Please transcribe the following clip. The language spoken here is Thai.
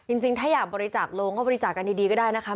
จริงถ้าอยากบริจาคโรงก็บริจาคกันดีก็ได้นะคะ